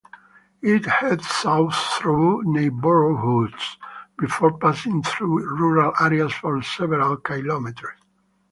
It heads south through neighbourhoods before passing through rural areas for several kilometres.